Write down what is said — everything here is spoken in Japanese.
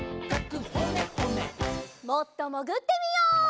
もっともぐってみよう。